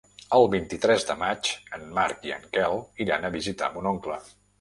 El vint-i-tres de maig en Marc i en Quel iran a visitar mon oncle.